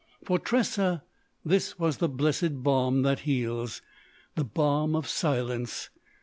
For Tressa this was the blessed balm that heals,—the balm of silence.